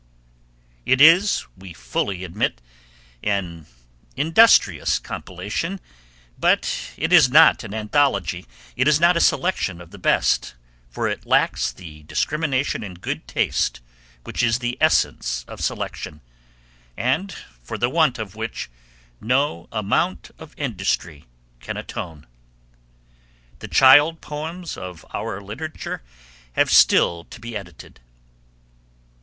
It is, we fully admit, an industrious compilation, but it is not an anthology, it is not a selection of the best, for it lacks the discrimination and good taste which is the essence of selection, and for the want of which no amount of industry can atone. The child poems of our literature have still to be edited.